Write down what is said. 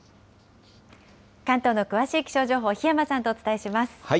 関東の詳しい気象情報、檜山さんとお伝えします。